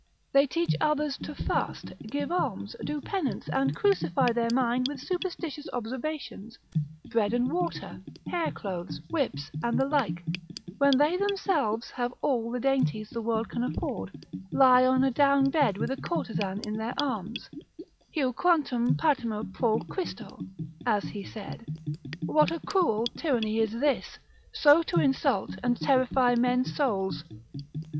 They teach others to fast, give alms, do penance, and crucify their mind with superstitious observations, bread and water, hair clothes, whips, and the like, when they themselves have all the dainties the world can afford, lie on a down bed with a courtesan in their arms: Heu quantum patimur pro Christo, as he said, what a cruel tyranny is this, so to insult over and terrify men's souls!